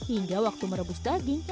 hingga waktu merebus dagingnya